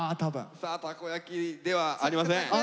さあたこ焼きではありません。